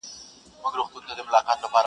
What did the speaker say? جل وهلی سوځېدلی د مودو مودو راهیسي.